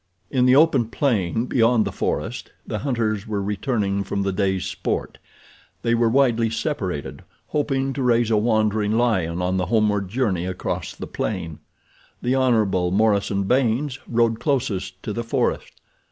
In the open plain beyond the forest the hunters were returning from the day's sport. They were widely separated, hoping to raise a wandering lion on the homeward journey across the plain. The Hon. Morison Baynes rode closest to the forest.